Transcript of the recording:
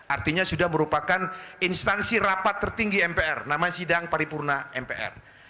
artinya sudah merupakan instansi rapat tertinggi mpr namanya sidang paripurna mpr